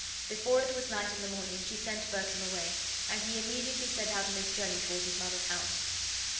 Before it was light in the morning she sent Bertram away; and he immediately set out on his journey toward his mother's house.